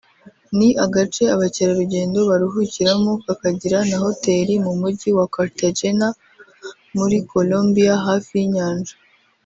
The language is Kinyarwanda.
ni agace abakerarugendo baruhukiramo kakagira na hoteli mu mujyi wa Cartagena muri Colombia hafi y’inyanja